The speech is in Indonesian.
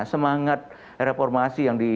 semangat reformasi yang